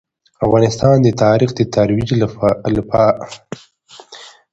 افغانستان د تاریخ د ترویج لپاره پوره او ځانګړي ګټور پروګرامونه لري.